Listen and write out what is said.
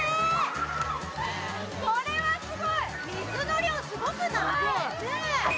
これはすごい水の量すごくない？